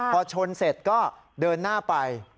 พอชนเสร็จก็เดินหน้าไป